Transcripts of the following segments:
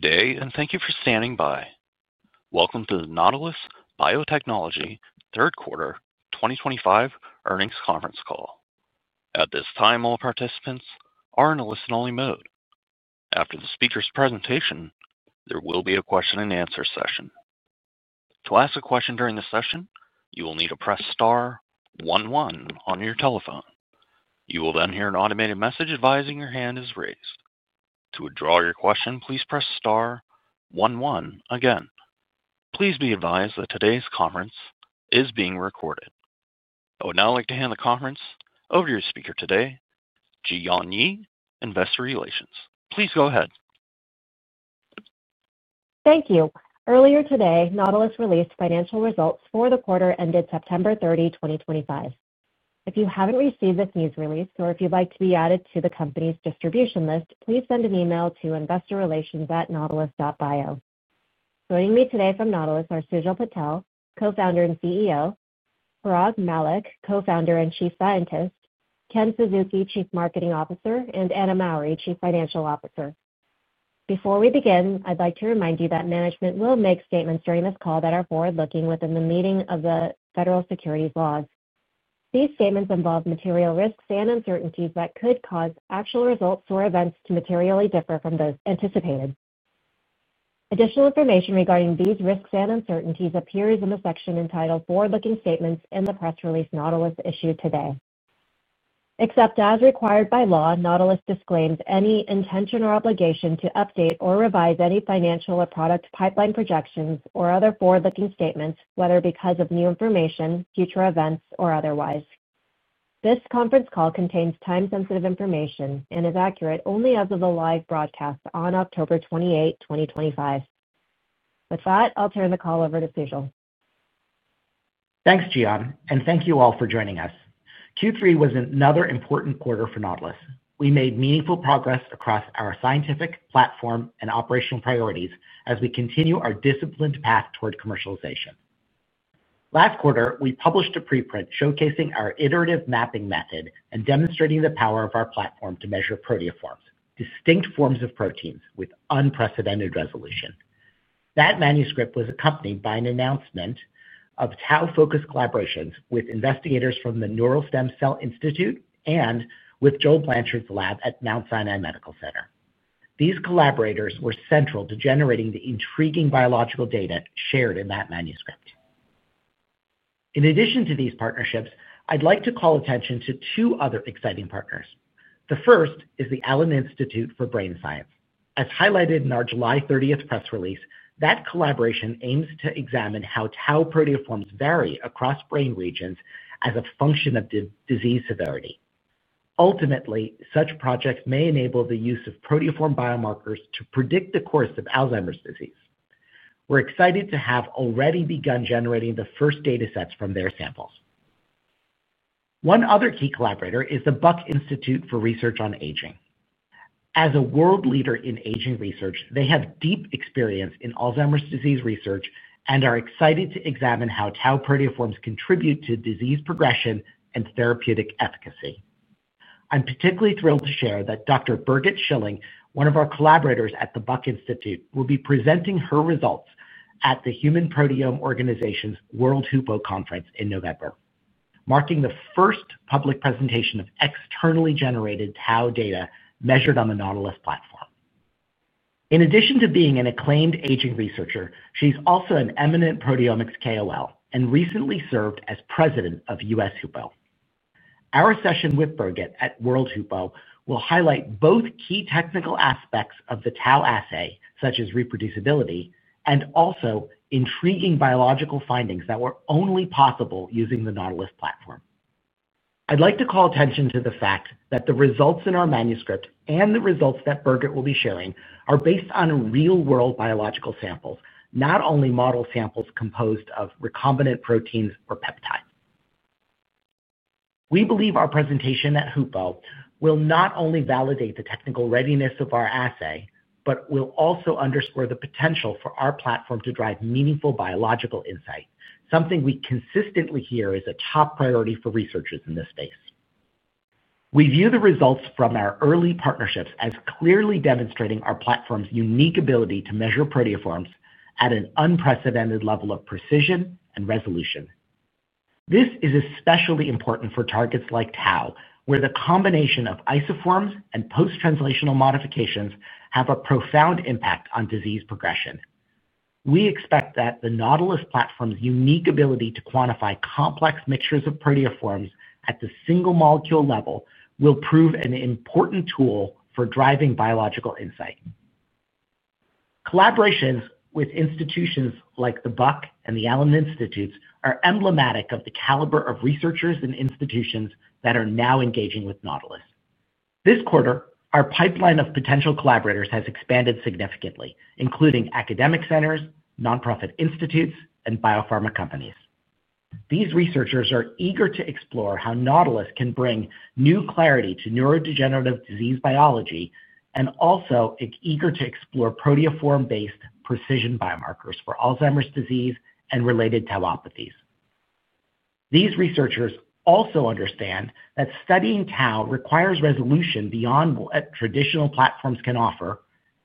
Good day, and thank you for standing by. Welcome to the Nautilus Biotechnology Third Quarter 2025 Earnings Conference Call. At this time, all participants are in a listen-only mode. After the speaker's presentation, there will be a question and answer session. To ask a question during the session, you will need to press star one one on your telephone. You will then hear an automated message advising your hand is raised. To withdraw your question, please press star one one again. Please be advised that today's conference is being recorded. I would now like to hand the conference over to your speaker today, Ji-Yon Yi, Investor Relations. Please go ahead. Thank you. Earlier today, Nautilus released financial results for the quarter ended September 30, 2025. If you haven't received this news release, or if you'd like to be added to the company's distribution list, please send an email to investorrelations@nautilus.bio. Joining me today from Nautilus are Sujal Patel, Co-Founder and CEO, Parag Mallick, Co-Founder and Chief Scientist, Ken Suzuki, Chief Marketing Officer, and Anna Mowry, Chief Financial Officer. Before we begin, I'd like to remind you that management will make statements during this call that are forward-looking within the meaning of the federal securities laws. These statements involve material risks and uncertainties that could cause actual results or events to materially differ from those anticipated. Additional information regarding these risks and uncertainties appears in the section entitled "Forward-Looking Statements" in the press release Nautilus issued today. Except as required by law, Nautilus disclaims any intention or obligation to update or revise any financial or product pipeline projections or other forward-looking statements, whether because of new information, future events, or otherwise. This conference call contains time-sensitive information and is accurate only as of the live broadcast on October 28, 2025. With that, I'll turn the call over to Sujal. Thanks, Ji-Yon, and thank you all for joining us. Q3 was another important quarter for Nautilus. We made meaningful progress across our scientific, platform, and operational priorities as we continue our disciplined path toward commercialization. Last quarter, we published a preprint showcasing our iterative mapping method and demonstrating the power of our platform to measure proteoforms, distinct forms of proteins, with unprecedented resolution. That manuscript was accompanied by an announcement of Tau-focused collaborations with investigators from the Neural Stem Cell Institute and with Joel Blanchard’s lab at Mount Sinai Medical Center. These collaborators were central to generating the intriguing biological data shared in that manuscript. In addition to these partnerships, I’d like to call attention to two other exciting partners. The first is the Allen Institute for Brain Science. As highlighted in our July 30th press release, that collaboration aims to examine how Tau proteoforms vary across brain regions as a function of disease severity. Ultimately, such projects may enable the use of proteoform biomarkers to predict the course of Alzheimer’s disease. We’re excited to have already begun generating the first datasets from their samples. One other key collaborator is the Buck Institute for Research on Aging. As a world leader in aging research, they have deep experience in Alzheimer’s disease research and are excited to examine how Tau proteoforms contribute to disease progression and therapeutic efficacy. I’m particularly thrilled to share that Dr. Birgit Schilling, one of our collaborators at the Buck Institute, will be presenting her results at the Human Proteome Organization’s World HUPO Conference in November, marking the first public presentation of externally generated Tau data measured on the Nautilus platform. In addition to being an acclaimed aging researcher, she’s also an eminent proteomics KOL and recently served as President of U.S. HUPO. Our session with Birgit at World HUPO will highlight both key technical aspects of the Tau assay, such as reproducibility, and also intriguing biological findings that were only possible using the Nautilus platform. I’d like to call attention to the fact that the results in our manuscript and the results that Birgit will be sharing are based on real-world biological samples, not only model samples composed of recombinant proteins or peptides. We believe our presentation at HUPO will not only validate the technical readiness of our assay, but will also underscore the potential for our platform to drive meaningful biological insight, something we consistently hear is a top priority for researchers in this space. We view the results from our early partnerships as clearly demonstrating our platform's unique ability to measure proteoforms at an unprecedented level of precision and resolution. This is especially important for targets like Tau, where the combination of isoforms and post-translational modifications have a profound impact on disease progression. We expect that the Nautilus platform's unique ability to quantify complex mixtures of proteoforms at the single-molecule level will prove an important tool for driving biological insight. Collaborations with institutions like the Buck Institute for Research on Aging and the Allen Institute for Brain Science are emblematic of the caliber of researchers and institutions that are now engaging with Nautilus Biotechnology. This quarter, our pipeline of potential collaborators has expanded significantly, including academic centers, nonprofit institutes, and biopharma companies. These researchers are eager to explore how Nautilus can bring new clarity to neurodegenerative disease biology and also eager to explore proteoform-based precision biomarkers for Alzheimer's disease and related Tauopathies. These researchers also understand that studying Tau requires resolution beyond what traditional platforms can offer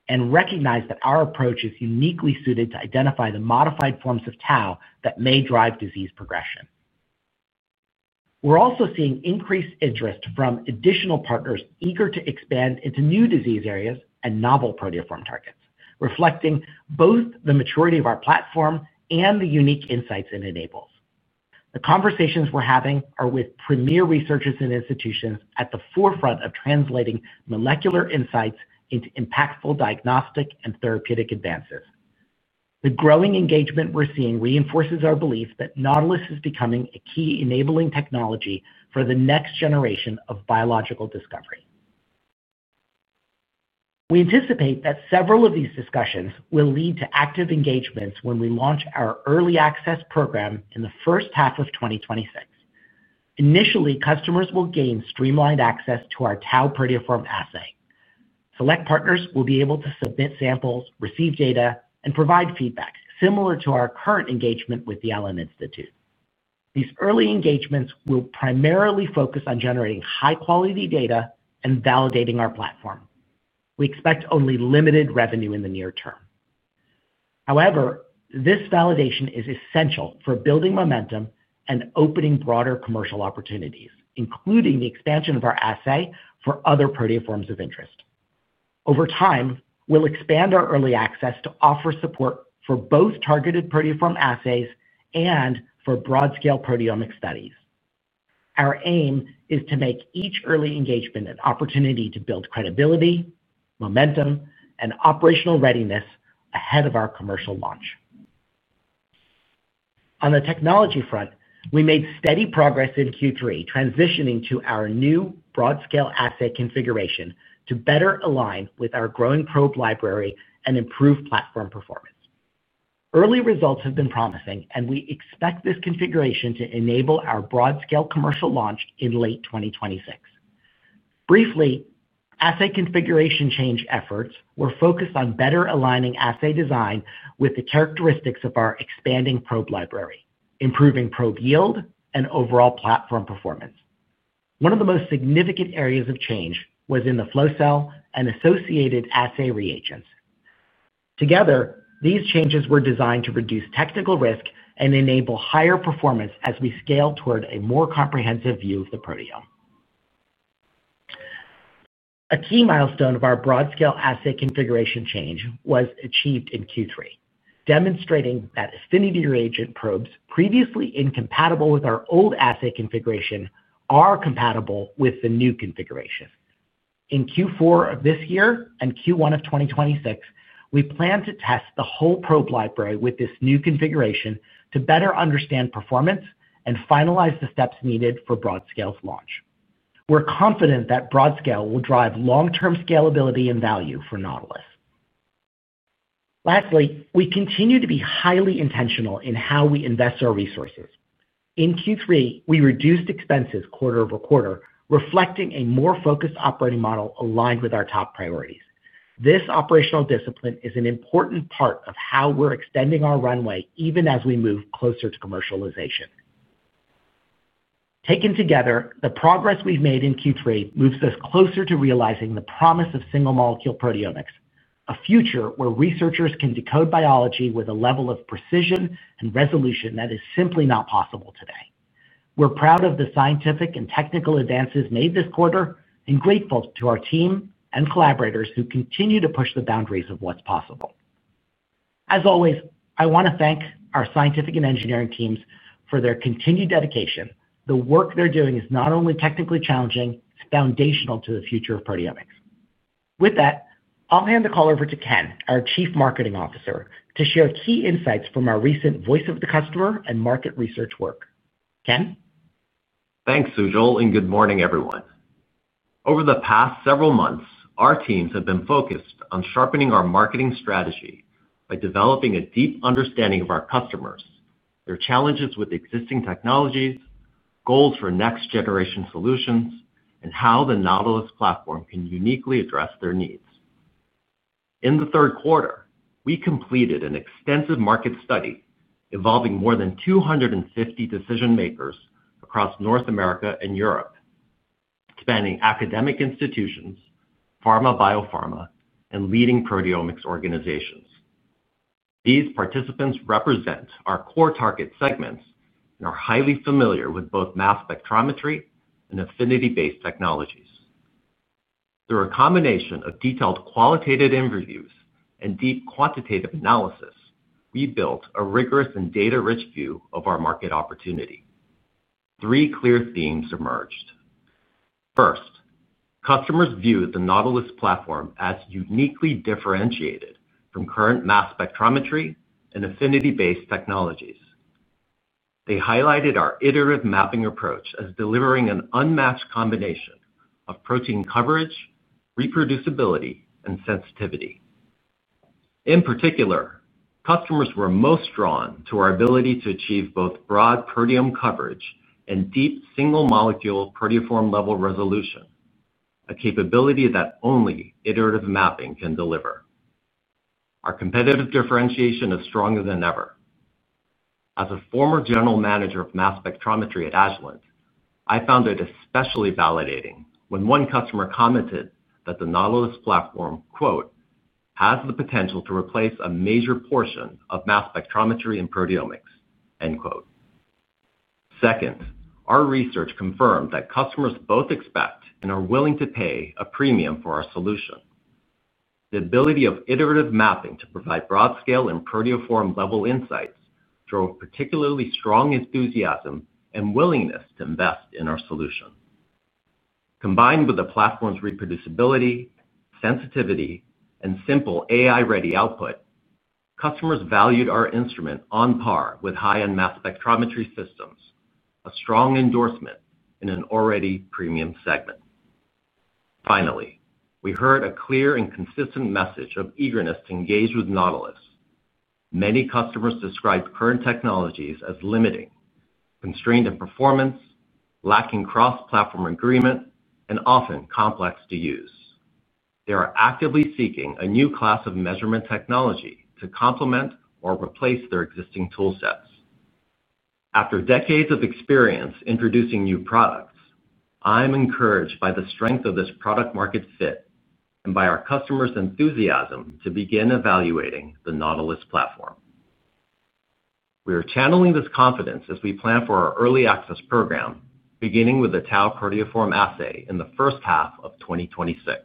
and recognize that our approach is uniquely suited to identify the modified forms of Tau that may drive disease progression. We're also seeing increased interest from additional partners eager to expand into new disease areas and novel proteoform targets, reflecting both the maturity of our platform and the unique insights it enables. The conversations we're having are with premier researchers and institutions at the forefront of translating molecular insights into impactful diagnostic and therapeutic advances. The growing engagement we're seeing reinforces our belief that Nautilus is becoming a key enabling technology for the next generation of biological discovery. We anticipate that several of these discussions will lead to active engagements when we launch our early access program in the first half of 2026. Initially, customers will gain streamlined access to our Tau proteoform assay. Select partners will be able to submit samples, receive data, and provide feedback, similar to our current engagement with the Allen Institute for Brain Science. These early engagements will primarily focus on generating high-quality data and validating our platform. We expect only limited revenue in the near term. However, this validation is essential for building momentum and opening broader commercial opportunities, including the expansion of our assay for other proteoforms of interest. Over time, we'll expand our early access to offer support for both targeted proteoform assays and for broad-scale proteomic studies. Our aim is to make each early engagement an opportunity to build credibility, momentum, and operational readiness ahead of our commercial launch. On the technology front, we made steady progress in Q3, transitioning to our new broad-scale assay configuration to better align with our growing probe library and improve platform performance. Early results have been promising, and we expect this configuration to enable our broad-scale commercial launch in late 2026. Briefly, assay configuration change efforts were focused on better aligning assay design with the characteristics of our expanding probe library, improving probe yield, and overall platform performance. One of the most significant areas of change was in the flow cell and associated assay reagents. Together, these changes were designed to reduce technical risk and enable higher performance as we scale toward a more comprehensive view of the proteome. A key milestone of our broad-scale assay configuration change was achieved in Q3, demonstrating that affinity reagent probes, previously incompatible with our old assay configuration, are compatible with the new configuration. In Q4 of this year and Q1 of 2026, we plan to test the whole probe library with this new configuration to better understand performance and finalize the steps needed for broad-scale launch. We're confident that broad-scale will drive long-term scalability and value for Nautilus. Lastly, we continue to be highly intentional in how we invest our resources. In Q3, we reduced expenses quarter over quarter, reflecting a more focused operating model aligned with our top priorities. This operational discipline is an important part of how we're extending our runway, even as we move closer to commercialization. Taken together, the progress we've made in Q3 moves us closer to realizing the promise of single-molecule proteomics, a future where researchers can decode biology with a level of precision and resolution that is simply not possible today. We're proud of the scientific and technical advances made this quarter and grateful to our team and collaborators who continue to push the boundaries of what's possible. As always, I want to thank our scientific and engineering teams for their continued dedication. The work they're doing is not only technically challenging, it's foundational to the future of proteomics. With that, I'll hand the call over to Ken, our Chief Marketing Officer, to share key insights from our recent voice of the customer and market research work. Ken? Thanks, Sujal, and good morning, everyone. Over the past several months, our teams have been focused on sharpening our marketing strategy by developing a deep understanding of our customers, their challenges with existing technologies, goals for next-generation solutions, and how the Nautilus platform can uniquely address their needs. In the third quarter, we completed an extensive market study involving more than 250 decision makers across North America and Europe, spanning academic institutions, pharma/biopharma, and leading proteomics organizations. These participants represent our core target segments and are highly familiar with both mass spectrometry and affinity-based technologies. Through a combination of detailed qualitative interviews and deep quantitative analysis, we built a rigorous and data-rich view of our market opportunity. Three clear themes emerged. First, customers viewed the Nautilus platform as uniquely differentiated from current mass spectrometry and affinity-based technologies. They highlighted our iterative mapping approach as delivering an unmatched combination of protein coverage, reproducibility, and sensitivity. In particular, customers were most drawn to our ability to achieve both broad proteome coverage and deep single-molecule proteoform level resolution, a capability that only iterative mapping can deliver. Our competitive differentiation is stronger than ever. As a former General Manager of Mass Spectrometry at Agilent, I found it especially validating when one customer commented that the Nautilus platform, quote, "has the potential to replace a major portion of mass spectrometry and proteomics," end quote. Second, our research confirmed that customers both expect and are willing to pay a premium for our solution. The ability of iterative mapping to provide broad-scale and proteoform level insights drove particularly strong enthusiasm and willingness to invest in our solution. Combined with the platform's reproducibility, sensitivity, and simple AI-ready output, customers valued our instrument on par with high-end mass spectrometry systems, a strong endorsement in an already premium segment. Finally, we heard a clear and consistent message of eagerness to engage with Nautilus. Many customers described current technologies as limiting, constrained in performance, lacking cross-platform agreement, and often complex to use. They are actively seeking a new class of measurement technology to complement or replace their existing toolsets. After decades of experience introducing new products, I'm encouraged by the strength of this product-market fit and by our customers' enthusiasm to begin evaluating the Nautilus platform. We are channeling this confidence as we plan for our early access program, beginning with the Tau proteoform assay in the first half of 2026.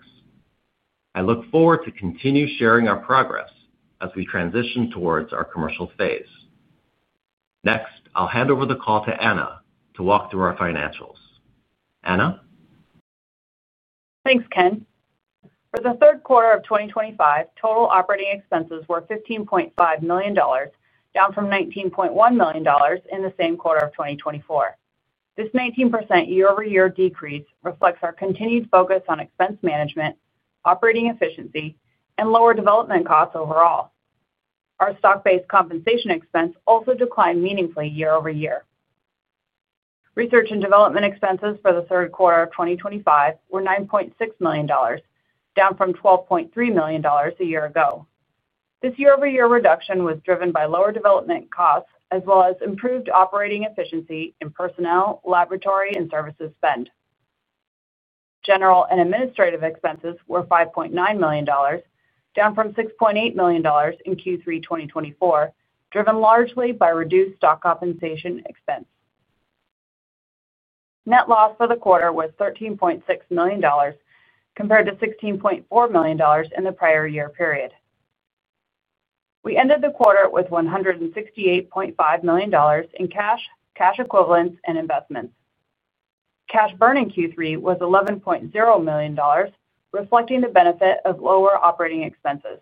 I look forward to continue sharing our progress as we transition towards our commercial phase. Next, I'll hand over the call to Anna to walk through our financials. Anna? Thanks, Ken. For the third quarter of 2025, total operating expenses were $15.5 million, down from $19.1 million in the same quarter of 2024. This 19% year-over-year decrease reflects our continued focus on expense management, operating efficiency, and lower development costs overall. Our stock-based compensation expense also declined meaningfully year over year. Research and development expenses for the third quarter of 2025 were $9.6 million, down from $12.3 million a year ago. This year-over-year reduction was driven by lower development costs, as well as improved operating efficiency in personnel, laboratory, and services spend. General and administrative expenses were $5.9 million, down from $6.8 million in Q3 2024, driven largely by reduced stock compensation expense. Net loss for the quarter was $13.6 million, compared to $16.4 million in the prior year period. We ended the quarter with $168.5 million in cash, cash equivalents, and investments. Cash burn in Q3 was $11.0 million, reflecting the benefit of lower operating expenses.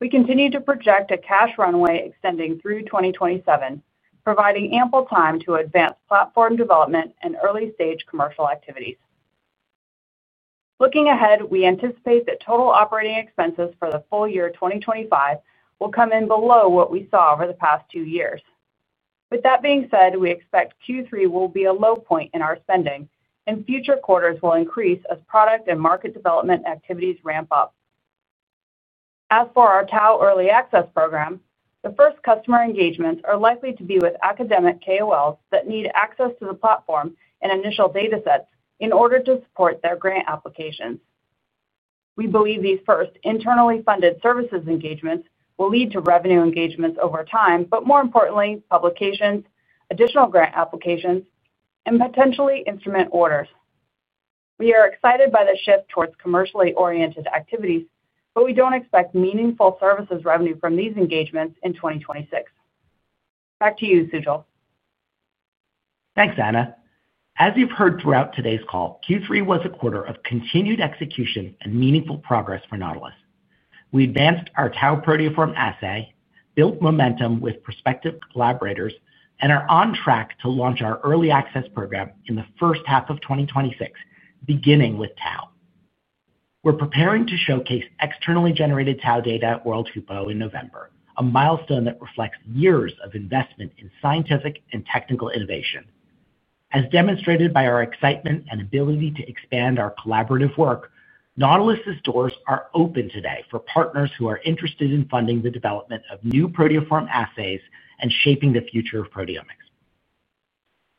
We continue to project a cash runway extending through 2027, providing ample time to advance platform development and early-stage commercial activities. Looking ahead, we anticipate that total operating expenses for the full year 2025 will come in below what we saw over the past two years. With that being said, we expect Q3 will be a low point in our spending, and future quarters will increase as product and market development activities ramp up. As for our Tau early access program, the first customer engagements are likely to be with academic KOLs that need access to the platform and initial datasets in order to support their grant applications. We believe these first internally funded services engagements will lead to revenue engagements over time, but more importantly, publications, additional grant applications, and potentially instrument orders. We are excited by the shift towards commercially oriented activities, but we don't expect meaningful services revenue from these engagements in 2026. Back to you, Sujal. Thanks, Anna. As you've heard throughout today's call, Q3 was a quarter of continued execution and meaningful progress for Nautilus. We advanced our Tau proteoform assay, built momentum with prospective collaborators, and are on track to launch our early access program in the first half of 2026, beginning with Tau. We're preparing to showcase externally generated Tau data at World HUPO in November, a milestone that reflects years of investment in scientific and technical innovation. As demonstrated by our excitement and ability to expand our collaborative work, Nautilus' doors are open today for partners who are interested in funding the development of new proteoform assays and shaping the future of proteomics.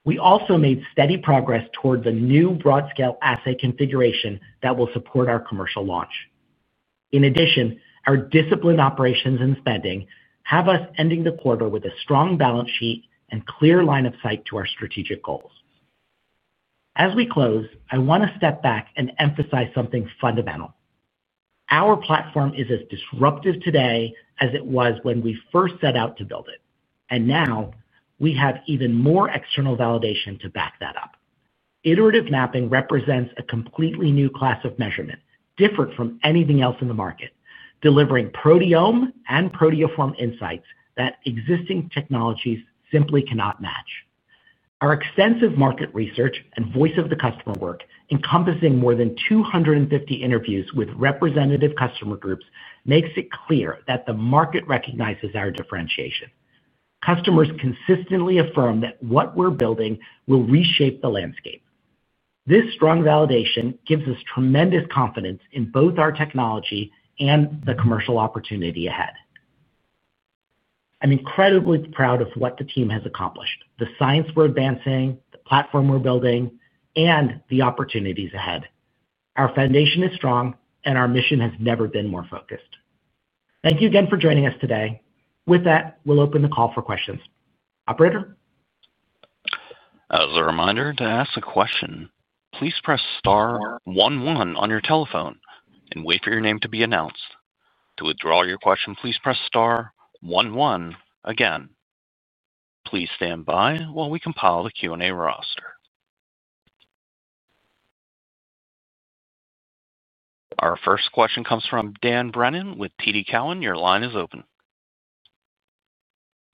We also made steady progress toward the new broad-scale assay configuration that will support our commercial launch. In addition, our disciplined operations and spending have us ending the quarter with a strong balance sheet and clear line of sight to our strategic goals. As we close, I want to step back and emphasize something fundamental. Our platform is as disruptive today as it was when we first set out to build it, and now we have even more external validation to back that up. Iterative mapping represents a completely new class of measurement, different from anything else in the market, delivering proteome and proteoform insights that existing technologies simply cannot match. Our extensive market research and voice of the customer work, encompassing more than 250 interviews with representative customer groups, makes it clear that the market recognizes our differentiation. Customers consistently affirm that what we're building will reshape the landscape. This strong validation gives us tremendous confidence in both our technology and the commercial opportunity ahead. I'm incredibly proud of what the team has accomplished, the science we're advancing, the platform we're building, and the opportunities ahead. Our foundation is strong, and our mission has never been more focused. Thank you again for joining us today. With that, we'll open the call for questions. Operator? As a reminder to ask a question, please press star one one on your telephone and wait for your name to be announced. To withdraw your question, please press star one one again. Please stand by while we compile the Q&A roster. Our first question comes from Dan Brennan with TD Cowen. Your line is open.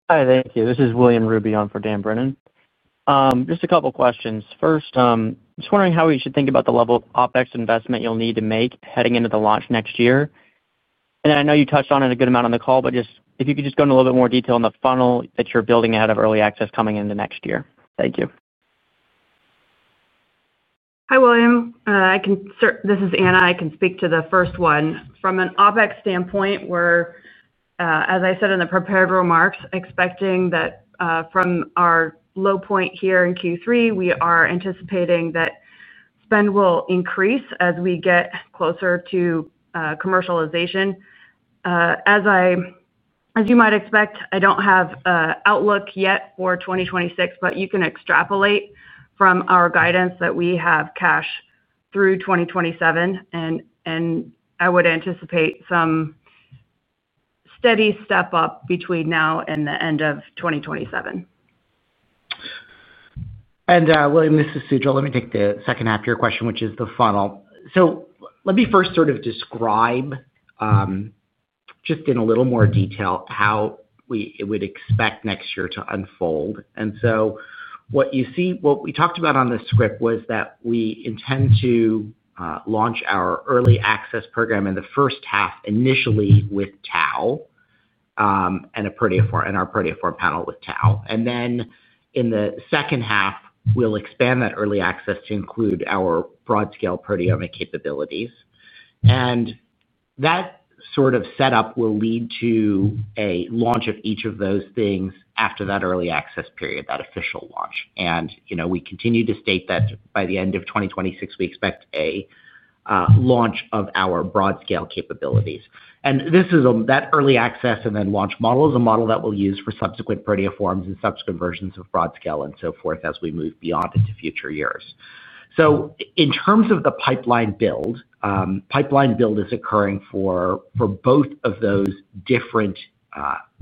Hi, thank you. This is William Ruby on for Dan Brennan. Just a couple of questions. First, just wondering how we should think about the level of OpEx investment you'll need to make heading into the launch next year. I know you touched on it a good amount on the call, but if you could just go into a little bit more detail on the funnel that you're building ahead of early access coming into next year. Thank you. Hi, William. This is Anna. I can speak to the first one. From an OpEx standpoint, as I said in the prepared remarks, we're expecting that from our low point here in Q3, we are anticipating that spend will increase as we get closer to commercialization. As you might expect, I don't have an outlook yet for 2026, but you can extrapolate from our guidance that we have cash through 2027, and I would anticipate some steady step up between now and the end of 2027. William, this is Sujal. Let me take the second half of your question, which is the funnel. Let me first sort of describe, just in a little more detail how we would expect next year to unfold. What you see, what we talked about on the script was that we intend to launch our early access program in the first half initially with Tau, and a proteoform, and our proteoform panel with Tau. In the second half, we'll expand that early access to include our broad-scale proteomic capabilities. That sort of setup will lead to a launch of each of those things after that early access period, that official launch. We continue to state that by the end of 2026, we expect a launch of our broad-scale capabilities. That early access and then launch model is a model that we'll use for subsequent proteoforms and subsequent versions of broad-scale and so forth as we move beyond into future years. In terms of the pipeline build, pipeline build is occurring for both of those different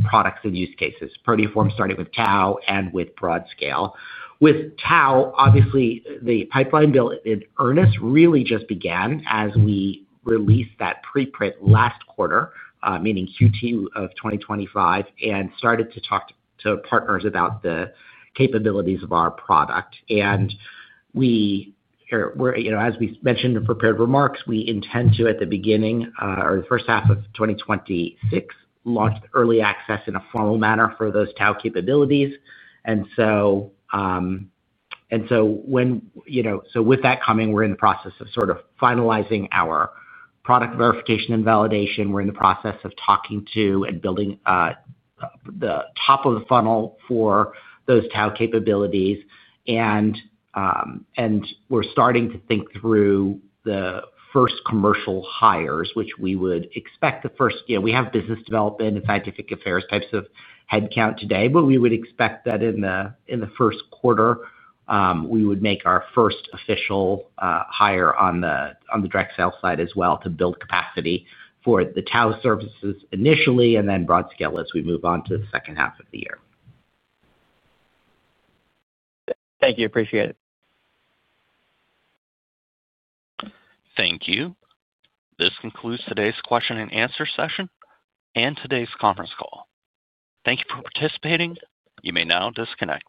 products and use cases, proteoform starting with Tau and with broad-scale. With Tau, obviously, the pipeline build in earnest really just began as we released that preprint last quarter, meaning Q2 of 2025, and started to talk to partners about the capabilities of our product. As we mentioned in prepared remarks, we intend to, at the beginning, or the first half of 2026, launch the early access in a formal manner for those Tau capabilities. With that coming, we're in the process of finalizing our product verification and validation. We're in the process of talking to and building the top of the funnel for those Tau capabilities. We're starting to think through the first commercial hires, which we would expect the first, yeah, we have business development and scientific affairs types of headcount today, but we would expect that in the first quarter, we would make our first official hire on the direct sales side as well to build capacity for the Tau services initially and then broad-scale as we move on to the second half of the year. Thank you. Appreciate it. Thank you. This concludes today's question and answer session and today's conference call. Thank you for participating. You may now disconnect.